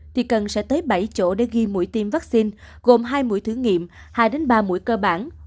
thì cần sẽ tới bảy chỗ để ghi mũi tiêm vaccine gồm hai mũi thử nghiệm hai ba mũi cơ bản